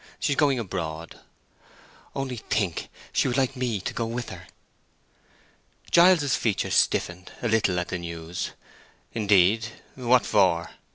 She is going abroad. Only think, she would like me to go with her." Giles's features stiffened a little at the news. "Indeed; what for?